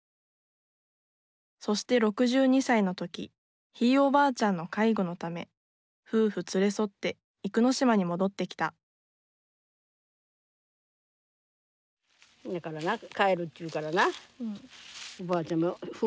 そして６２歳の時ひいおばあちゃんの介護のため夫婦連れ添って生野島に戻ってきたハハハハッ。